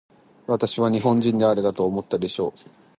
私は日本人であるかと思ったでしょう。